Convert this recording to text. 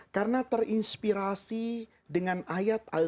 karena terinspirasi dengan ayat alkitab